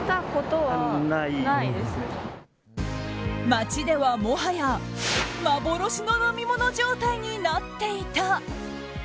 街では、もはや幻の飲み物状態になっていた。